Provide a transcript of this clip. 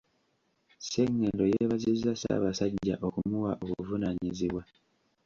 Ssengendo yeebazizza Ssaabasajja okumuwa obuvunaanyizibwa.